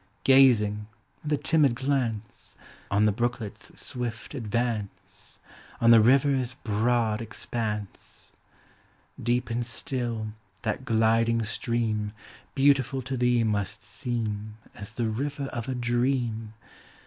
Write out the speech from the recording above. Gazing, with a timid glance. On the brooklet's swift advance, On the river's broad expanse ! Deep and still, that gliding stream Beautiful to thee must seen* As the river of a dream.